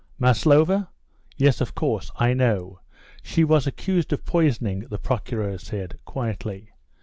"Maslova? Yes, of course, I know. She was accused of poisoning," the Procureur said, quietly.